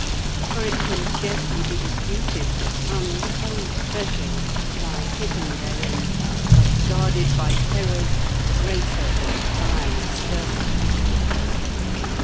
For it can scarcely be disputed that untold treasures lie hidden therein, but guarded by terrors greater than fiery serpents.